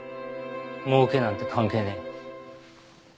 もうけなんて関係ねえ。